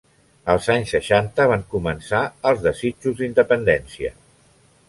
Als anys seixanta van començar els desitjos d'independència.